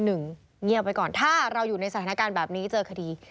เงียบไปก่อนถ้าเราอยู่ในสถานการณ์แบบนี้เจอคดี